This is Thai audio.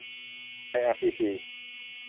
ไออาร์พีซี